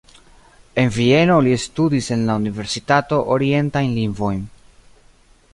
En Vieno li studis en la universitato orientajn lingvojn.